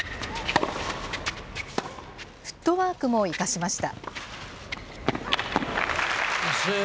フットワークも生かしました。